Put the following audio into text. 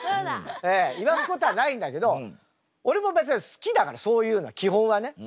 言わすことはないんだけど俺も別に好きだからそういうのは基本はね。